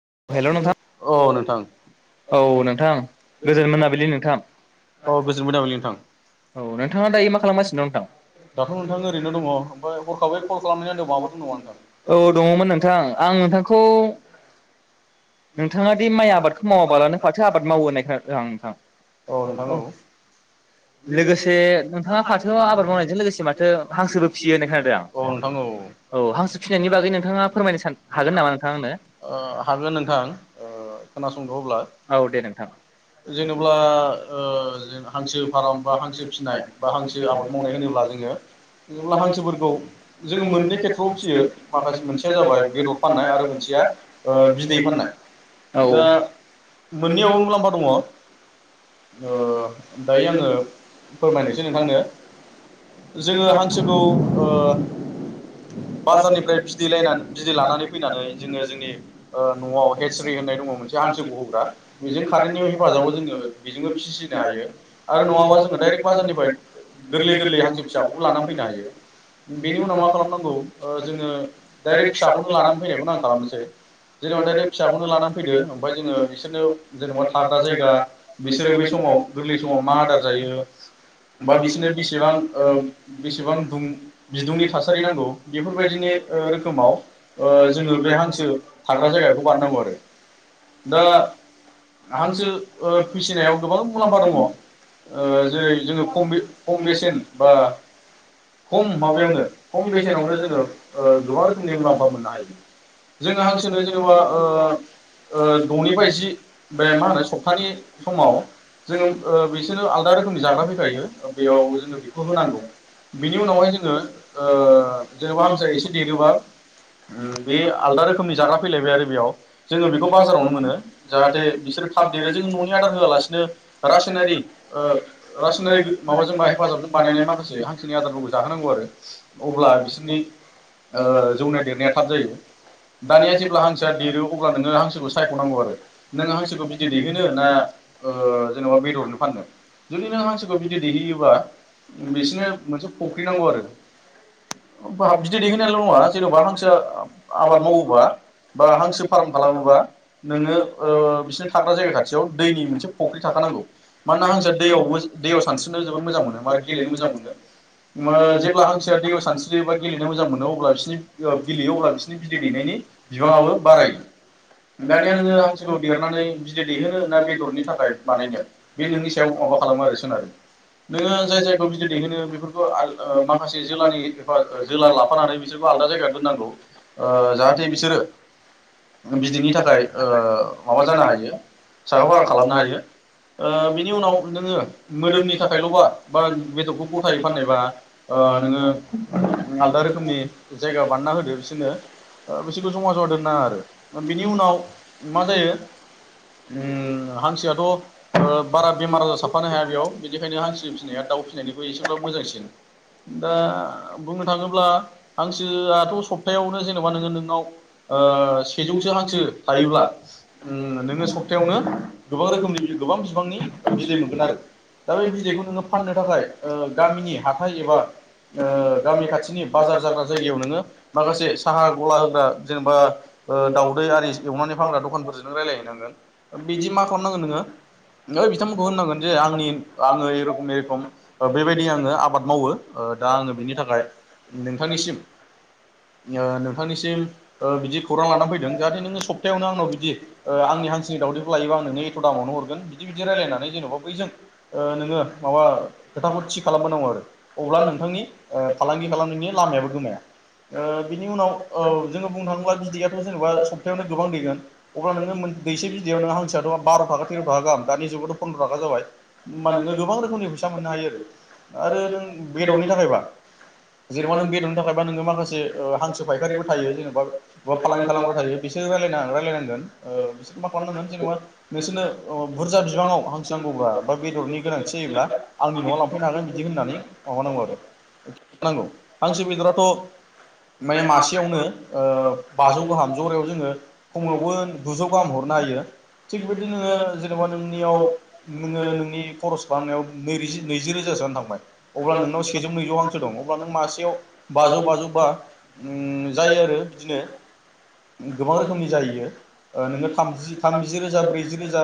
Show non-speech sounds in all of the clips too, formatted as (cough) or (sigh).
(unintelligible) नोंथाङा दि माइ आबादखौ मावाबालानो फाथो आबाद मावो होननाय खोनादों आं नोंथां औ लोगोसे नोंथाङा फाथोआव आबाद मावनायजों लोगोसे माथो हांसोबो फिसियो होननाय खोनादों आं औ हांसो फिनायनि बागै नोंथाङा फोरमायनो हागोन नामा नोंथाङा आंनो? हागोन नों नोंथां ओ खोनासंदो अब्ला औ जेनेबा ओ जों हांसो फार्म बा हांसो फिसिनाय बा हांसो आबाद मावनाय होनोब्ला जोङो जेब्ला हांसोफोरखौ जोङो मोननै खेथ्रआव फिसियो माखासे मोनसेया जाबाय बेदर फाननाय आरो मोनसेया ओ बि दै फाननाय दा मोननैयावबो मुलाम्फा दङ ओ दायो आङो फोरमायनोसै नोंथांनो जोङो हांसोखौ ओ बाजारनिफ्राय बिदै लायनान- बिदै लानानै फैनानै जोङो जोंनि ओ नआव हेसरि होननाय दङ मोनसे हांसो गहोग्रा बेजों कारेन्टनि हेफाजाबाव जोङो बेजोंबो फिसिनो हायो आरो नङाबा जोङो डाइरेक्ट बाजारनिफ्राय गोरलै- गोरलै हांसो फिसाखौबो लानानै फैनो हायो बेनि उनाव मा खालामनांगौ ओ जोङो डाइरेक्ट फिसाखौनो लानानै फैनायखौनो आं खालामनोसै जेनेबा दा फिसाखौनो लानानै फैदो ओमफ्राय जोङो बिसोरनो जेनेबा थाग्रा जायगा बिसोरो बे समाव गोरलै समाव मा आदार जायो बा बिसोरनो बेसेबां ओ बेसेबां दुं-बिदुंनि थासारि नांगौ बेफोरबायदिनि ओ रोखोमाव ओ जोङो बे हांसो थाग्रा जायगाखौ बानायनांगौ आरो दा हांसो ओ फिसिनायाव गोबां मुलाम्फा दङ ओ जेरै जोङो खमबे-खम बेसेन बा खम माबायावनो खम बेसेनावनो जोङो ओ गोबां रोखोमनि मुलाम्फा मोननो हायो जोङो हांसो दा जेनेबा ओ-ओ द' निफ्राय जि बे मा होनो सप्तानि समाव जोङो ओ बिसोरनो आलादा रोखोमनि जाग्रा फैखायो बेयाव जोङो बेखौ होनांगौ बिनि उनावहाय जोङो ओ जेनेबा हांसोआ एसे देरोबा उम बे आलादा रोखोमनि जाग्रा फैलायबाय आरो बेयाव जोङो बेखौ बाजारावनो मोनो जाहाथे बिसोरो थाब देरो जों न'नि आदार होआलासिनो रासायनारि ओ रासायनारि माबाजों बा हेफाजाबजों बानायनाय माखासे हांसोनि आदारफोरखौ जाहोनांगौ आरो अब्ला बिसोरनि ओ जौनो देरनाया थाब जायो दानिया जे ब्ला हांसोआ देरो अब्ला नोङो हांसोखौ सायख'नांगौ आरो नोङो हांसोखौ बिदै दैहोनो ना ओ जेनेबा बेदरनो फाननो जुदि नों हांसोखौ बिदै दैहैयोब्ला बिसोरनो मोनसे फुख्रि नांगौ आरो बिदै दैहोनायल' नङा जेनेबा हांसोआ आबाद मावोबा बा हांसो फार्म खालामोब्ला नोंनो ओ बिसोरनो थाग्रा जायगा खाथियाव दैनि मोनसे फुख्रि थाखानांगौ मानोना हांसोआ दैयावबो-दैयाव सानस्रिनो जोबोद मोजां मोनो गेलेनो मोजां मोनो उम जेब्ला हांसोआ दैयाव सानस्रियो बा गेलेनो मोजां मोनो अब्ला बिसोरनि ओ गेलेयो अब्ला बिसोरनि बिदै दैनायनि बिबाङाबो बारायो दानिया नोङो हांसोखौ देरनानै बिदै दैहोनो ना बेदरनि थाखाय बानायनो बे नोंनि सायाव माबा खालामो आरो सोनारो नोङो जाय जायगायाव बिदै दैहोनो बेफोरखौ आर ओ माखासे जोलानि फ्राइ जोला लाफानानै बिसोरखौ आलादा जायगायाव दोननांगौ ओ जाहाथे बिसोरो बिदैनि थाखाय ओ माबा जानो हायो साखा फारा खालामनो हायो ओ बिनि उनाव नोङो मोदोमनि थाखायल'बा बा बेदरखौ गथायै फाननायबा ओ नोङो आलादा रोखोमनि जायगा बानायना होदो बिसोरनो (unintelligible) खौ जमा जमा दोननाङा आरो बिनि उनाव मा जायो उम हांसोआथ ओ बारा बेमार आजार साफ्फानो हाया बेयाव बिनिखायनो हांसो फिसिनाया दाउ फिसिनायनिख्रुय एसेब्लाबो मोजांसिन दा बुंनो थाङोब्ला हांसोआथ' सप्तायावनो जेनेबा नोङो नों नाव ओ सेजौसो हांसो थायोब्ला उम नोङो सप्तायावनो गोबां रोखोमनि गोबां बिबांनि बिदै मोनगोन आरो दा बे बिदैखौ नोङो फाननो थाखाय ओ गामिनि हाथाइ एबा ओ गामि खाथिनि बाजार जाग्रा जायगायाव नोङो माखासे साहा ग ला बा जेनेबा ओ दावदै आरि एवनानै फानग्रा दखानफोरजों रायज्लायहैनांगोन बिदि मा खालामनांगोन नोङो ओइ बिथांमोनखौ होननांगोन जे आंनि आङो एरोखोमनि रोखोम बेबायदि आङो आबाद मावो ओ दा आङो बिनि थाखाय नोंथांनिसिम ओ नोंथांनिसिम देम ओ बिदि खौरां लानानानै फैदों जाहाथे नोङो सप्तायावनो आंनाव बिदि ओ आंनि हांसोनि दावदैखौ लायोबा आं एथ दामावनो हरगोन बिदि बिदि रायलायनानै जेनेबा बैजों ओ नोङो माबा खोथाखौ थि खालामबोनांगौ आरो अब्ला नोंथांनि फालांगि खालामनायनि लामायाबो गोमाया ओ बिनि उनाव औ जोङो बुंनो थाङोब्ला बिदैयाथ जेनेबा सप्तायावनो गोबां दैगोन अब्ला नोङो मोन दैसे बिदैयावनो हांसोआथ बार थाखा तेर थाखा गाहाम दानि जुगावथ फन्द्र थाखा जाबाय होमबा नोङो गोबां रोखोमनि फैसा मोननो हायो आरो नों बेदरनि थाखायब्ला जेनेबा नों बेदरनि थाखायबा नोङो माखासे हांसो फायखारिफोर दायो जेनबा बद फालांगि खालामग्रा थायो बिसोरजों रायलायना रायलायनांगोन ओ बिसोरखौ मा खालामनांगोन जेनबा नोंसोरनो बुरजा बिबाङाव हांसो नांगौब्ला बा बेदरनि गोनांथि जायोब्ला आंनि नआव लांफैनो हागोन बिदि होननानै माबानांगौ आरो (unintelligible) हांसो बेदराथ मे मासे सेयावनो ओ बाजौ गाहाम जरायाव जोङो खमावबो गुजौ गाहाम हरनो हायो थिग बिदिनो जेनेबा नोंनियाव नोङो नोंनि खरस खालामनायाव नैरैजि नैजि रोजासोआनो थांबाय अब्ला नोंनाव सेजौ नैजौ हांसो दं अब्ला नों मासेयाव बाजौ बाजौ बा (unintelligible) जायो आरो बिदिनो गोबां रोखोमनि जायो ओ नोङो थामजि थामजि रोजा ब्रैजि रोजा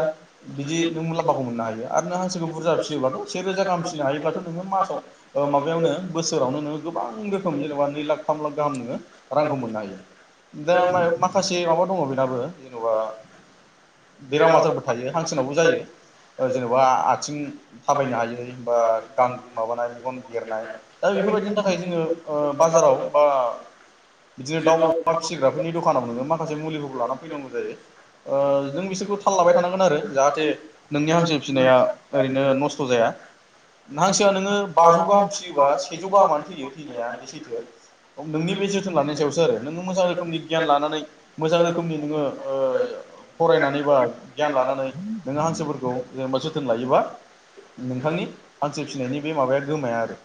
बिदि नों मुलाम्फाखौ मोननो हायो आरो नों हांसोखौ बुरजा फिसियोब्लाथ से रोजा गाहाम फिसिनो हायोब्लाथ नोङो मासाव ओ माबायावनो बोसोरावनो नोङो गोबां रोखोम जेनेबा नै लाख थाम लाख गाहाम नोङो रांखौ मोननो हायो दा माय माखासे माबा दङ बेनाबो जेनबा बेराम आजारबो थायो हांसोनावबो जायो, ओ जेनेबा आथिं थाबायनो हायै, बा गां माबानाय मेगन बेरनाय दा बेफोरबायदिनि थाखाय जोङो ओ बाजाराव बा बिदिनो दाउ अमा फिसिग्राफोरनि दखानाव नोङो माखासे मुलिफोरखौ लाना फैनांगौ जायो ओ नों बिसोरखौ थाललाबाय थानांगोन आरो जाहाथे नोंनि हांसो फिसिनाया ओरैनो नस्थ जाया हांसोआ नोङो बाजौ गाहाम फिसियोबा सेजौ गाहामानो थैयो थैनाया बे सैथोआ नोंनि बे जोथो लानाय सायावसो आरो नों मोजां रोखोमनि गियान लानानै मोजां रोखोमनि ओ फरायनानै बा गियान लानानै नोङो हांसोफोरखौ जेनेबा जोथोन लायोबा नोंथांनि हांसो फिसिनायनि बे माबाया गोमाया आरो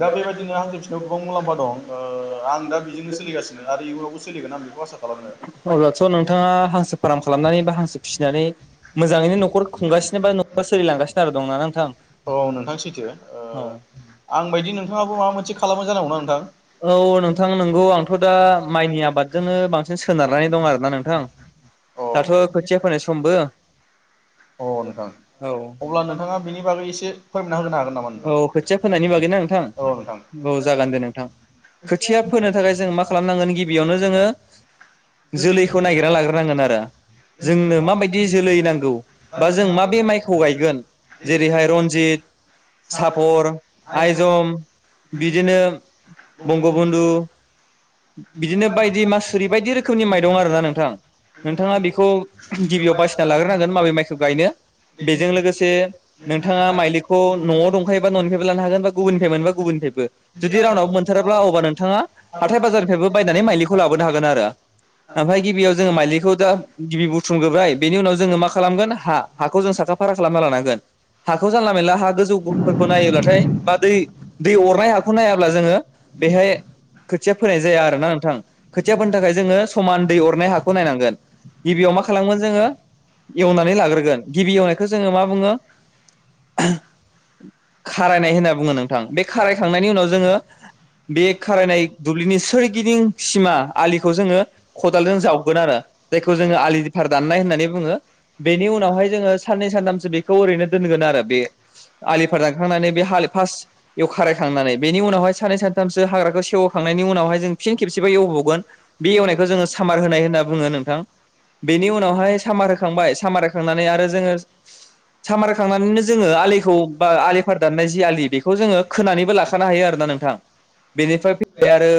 दा बेबायदिनो हांसो फिसिनायाव गोबां मुलाम्फा दं आं दा बि नो सोलिगासिनो आरो इयुनावबो सोलिगोन आं बेखौ आसा खालामो औ नोंथां सैथो ओ आं बायदि नोंथाङाबो माबा मोनसे खालामनाय जानांगौ ना नोंथां? गौ आं आंथ दा माइनि आबादजोंनो बांसिन सोनारनानै दं आरो ना नोंथां दाथ खोथिया फोनाय समबो। अ नोंथां अब्ला नोंथाङा बिनि बागै इसे फोरमायना होनो हागोन नामा औ नोंथां। जों मा खालामनांगोन गिबियावनो जोङो जोलैखौ नायगिरना लाग्रोनांगोन आरो जोंनो माबायदि जोलै नांगौ। बा जों मााबे माइखौ गायगोन जेरैहाय रन्जित, सापर, आइजम, बिदिनो बंगबन्धु। बिदिनो बायदि मासुरि बायदि रोखोमनि माइ दं आरो ना नोंथां नोंथाङा बेखौ गिबियाव बासिना लाग्रोनो हागोन माबे माइखौ गायनो बेजों लोगोसे नोंथाङा माइलिखौ नआव दंखायोबा ननिफ्रायबो लानो हागोन बा गुबुननिफ्राय मोनबा गुबुननिफ्रायबो जुदि रावनावबो मोनथाराब्ला अब्ला नोंथाङा फायबो बायनानै माइलिखौ लाबोनो हागोन आरो ओमफ्राय गिबियाव जोङो माइलिखौ दा गिबि बुथुमगोब्राय बेनि उनाव जोङो मा खालामगोन हा हाखौ जों साखा फारा खालामना लानांगोन हाखौ जानला मानला हा गोजौफोरखौ नायोब्लाथाय बा दै दै अरनाय हाखौ नायाब्ला जोङो बेहाय जाया आरो ना नोंथां खोथियाफोरनि थाखाय जोङो समान दै अरनाय हाखौ नायनांगोन गिबियाव मा खालामगोन जोङो एवनानै लाग्रोगोन गिबि एवनायखौ जोङो मा बुङो खारायनाय होनना बुङो नोंथां बे खारायखांनायनि उनाव जोङो बे खारायनाय दुब्लिनि सोरगिदिं सिमा आलिखौ जोङो खदालजों जावगोन आरो जायखौ जोङो आलिफार दाननाय होननानै बुङो बेनि उनावहाय जोङो साननै सानथामसो बेखौ ओरैनो दोनगोन आरो बे आलिफार दानखांनानै बे हा फार्स्ट एव खारायखांनानै बेनि उनावहाय साननै सानथामसो हाग्राखौ सेव खांनायनि उनावहाय जों फिन खेबसेबो एवबावगोन बे एवनायखौ जोङो सामार होनाय होनना बुङो नोंथां बेनि उनावहाय सामार होखांबाय सामार होखांनानै आरो जोङो सामार होखांनानैनो जोङो आलिखौ बा आलि फार दाननाय जि आलि बेखौ जोङो खोनानैबो लाखानो हायो आरो आरोना नोंथां बेनिफ्राय आरो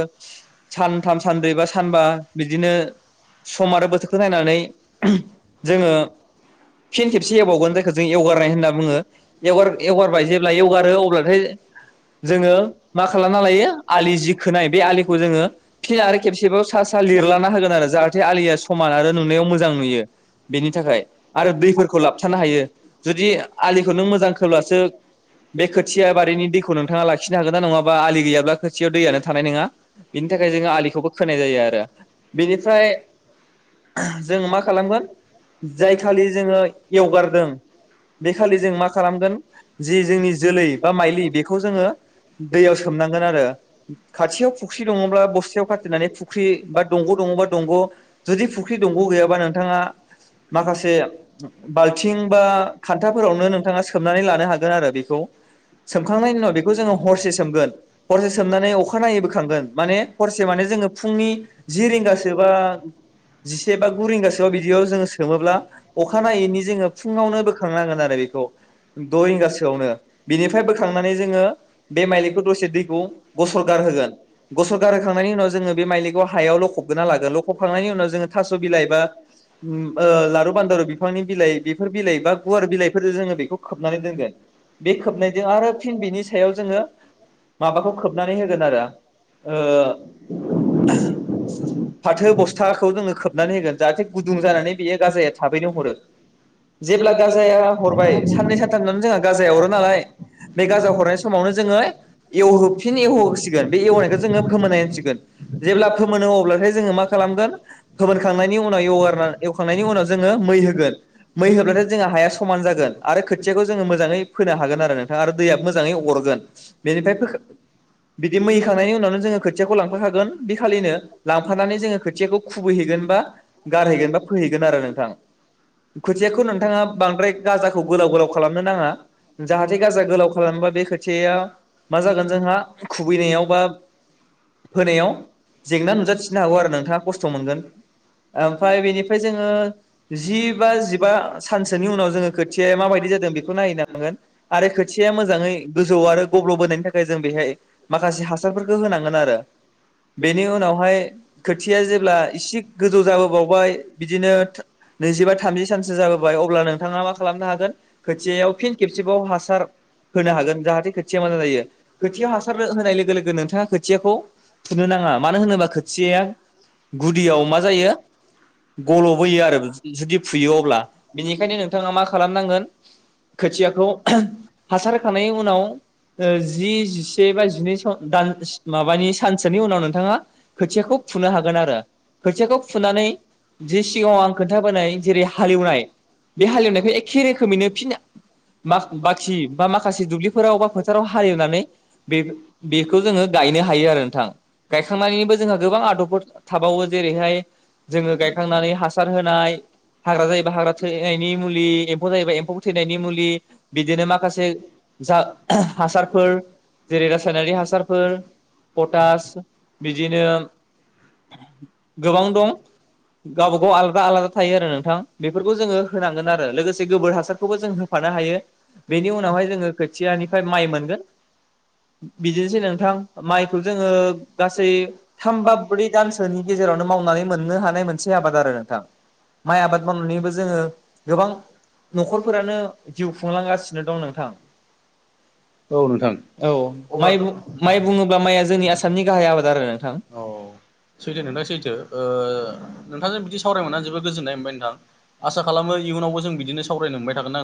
सानथाम सानब्रै बा सानबा बिदिनो सम आरो बोथोरखौ नायनानै जोङो फिन खेबसे एवबावगोन जायखौ जों एवगारनाय होनना बुङो एवगार एवगारबाय जेब्ला एवगारो अब्लाथाय जोङो मा खालामना लायो आलि जि खोनाय बे आलिखौ जोङो फिन आरो खेबसेबो सा सा लिरलाना होगोन आरो जाहाथे आलिया समान आरो नुनायाव मोजां नुयो बेनि थाखाय आरो दैफोरखौ लाबथानो हायो जुदि आलिखौ नों मोजां खोब्लासो बे खोथिया बारिनि दैखौ नोंथाङा लाखिनो हागोन ना नङाबा आलि गैयाब्ला खोथियाव दैयानो नोङा बिनि थाखाय जोङो आलिखौबो खोनाय जायो आरो बेनिफ्राय जों मा खालामगोन जाय खालि जोङो एवगारदों बे खालि जों मा खालामगोन जि जोंनि जोलै बा माइलि बेखौ जोङो दैयाव सोमनांगोन आरो खाथियाव फुख्रि दङब्ला बस्थायाव खाथिनानै फुख्रि बा दंग दङबा दंग जुदि फुख्रि दंग गैयाबा नोंथाङा माखासे बाल्थिं बा खान्थाफोरावनो नोंथाङा सोमनानै लानो हागोन आरो बेखौ सोमखांनायनि उनाव बेखौ जोङो हरसे सोमगोन हरसे सोमनानै अख अखानायै बोखांगोन माने हरसे माने जोङो फुंनि जि रिंगासो बा जिसे बा गु रिंगासोआव बिदियाव जोङो सोमोब्ला अखा नायैनि जोङो फुङावनो बोखांनांगोन आरो बेखौ द रिंगासोआवनो बिनिफ्राय बोखांनानै जोङो बे माइलिखौ दसे दैखौ गस गसरगार होगोन गसरगार होखांनायनि उनाव बे माइलिखौ हायाव लखबग्रोना लागोन लखबखांवायनि उनाव थास' बिलाइ उम ओ (unintelligible) बिफांनि बिलाइ (unintelligible) होगोन आरो ओ फाथो बस्थाखौ जोङो खोबनानै होगोन जाहाथे गुदुं जानानै बेयो गाजाया थाबैनो हरो जेब्ला गाजाया हरबाय साननै सानथामनि उनावनो जोंहा गाजाया हरो नालाय बे गाजा हरनाय समावनो जोङो एवहो फिन एवहोसिगोन बे एवनायखौ जोङो फोमोननाय होनसिगोन जेब्ला फोमोनो अब्लाथाय जोङो मा खालामगोन फोमोनखांनायनि उनाव एवगारना एवखांनायनि उनाव जोङो मै होगोन मै होब्लाथाय जोंहा हाया समान जागोन आरो खोथियाखौ जोङो मोजाङै फोनो हागोन आरो नोंथां आरो दैआबो मोजाङै अरगोन बेनिफ्राय फोखा बिदि मै होखांनायनि उनावनो जोङो खोथियाखौ लांफाखागोन बे खालिनो लांफानानै जोङो खोथियाखौ खुबैहैगोन बा गारहैगोन बा फोहैगोन आरो नोंथां खोथियाखौ नोंथाङा बांद्राय गाजाखौ गोलाव गोलाव खालामनो नाङा जाहाथे गाजा गोलाव खालामोबा बे खोथियाया मा जागोन जोंहा खुबैनायाव बा फोनायाव जेंना नुजाथिनो हागौ आरो नोंथाङा खस्थ मोनगोन ओमफ्राय बेनिफ्राय जोङो जि बा जिबा सानसोनि उनाव जोङो खोथियाया माबायदि जादों बेखौ नायहै नांगोन आरो खोथिाया मोजाङै गोजौ आरो गब्लबोनायनि थाखाय जों बेहाय माखासे हासारफोरखो होनांगोन आरो बेनि उनावहाय खोथिया जेब्ला इसे गोजौ जाबोबावबाय बिदिनो नैजिबा थामजि सानसो जाबोबाय अब्ला नोंथाङा मा खालामनो हागोन खोथिायाव फिन खेबसेबाव हासार होनो हागोन जाहाथे खोथिया मोजां जायो खोथिया हास सार होनाय लोगो लोगो नोंथाङा खोथियाखौ फुनो नाङा मानो होनोबा खोथियाया गुदियाव मा जायो गलबोयो आरो जुदि फुयो अब्ला बिनिखायनो नोंथाङा मा खालामनांगोन खोथियाखौ हासार होखांनाय उनाव जि जि से बा जिनै स दान माबानि सानसोनि उनाव नोंथाङा खोथियाखौ फुनो हागोन आरो खोथियाखौ फुनानै जि सिगाङाव आं खोन्थाबोनाय जेरै हालेवनाय बे हालेवनायखौ एखे रोखोमैनो फिन बाखि बा माखासे दुब्लिफोराव बा फोथाराव हालेवनानै बे-बेखौ जोङो गायनो हायो आरो नोंथां गायखांनानैबो जोंहा गोबां आदबफोर थाबावो जेरैहाय जोङो गायखांनानै हासार होनाय हाग्रा जायोबा हाग्रा थैनायनि मुलि एम्फौ जायोबा एम्फौ थैनायनि मुलि बिदिनो माखासे जा हासारफोर जेरै रासायनारि हासारफोर पटास बिदिनो गोबां दं गावबा गाव आलादा आलादा थायो आरो नोंथां बेफोरखौ जोङो होनांगोन आरो लोगोसे गोबोर हासारखौबो जों होफानो हायो बेनि उनावहाय जोङो खोथियानिफ्राय माइ मोनगोन बिदिनोसै नोंथां माइखौ जोङो गासै थाम बा ब्रै दानसोनि गेजेरावनो मावनानै मोननो हानाय मोनसे आबाद आरो नोंथां माइ आबाद मावनानैबो जोङो गोबां नखरफोरानो जिउ खुंलांगासिनो दं नोंथां। औ माइ बु माइ बुङोब्ला माइआ जोंनि आसामनि गाहाय आबाद आरो नोंथां। नोंथांजों बिदि सावराय मोनना जोबोद गोजोन्नाय मोनबाय नोंथां। आसा खालामो इयुनावबो जों बिदिनो सावरायनो मोनबाय थागोन आ